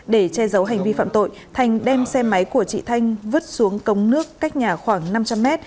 để che giấu hành vi phạm tội thành đem xe máy của chị thanh vứt xuống cống nước cách nhà khoảng năm trăm linh m